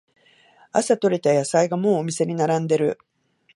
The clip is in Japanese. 朝とれた野菜がもうお店に並んでる